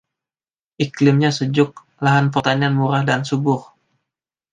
Iklimnya sejuk; lahan pertanian murah dan subur.